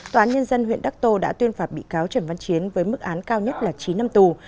tòa án nhân dân huyện đắc tô đã tuyên phạt bị cáo trần văn chiến với mức án cao nhất là chín năm tù